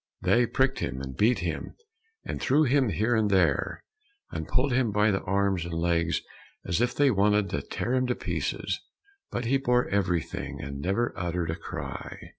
They pricked him and beat him, and threw him here and there, and pulled him by the arms and legs as if they wanted to tear him to pieces, but he bore everything, and never uttered a cry.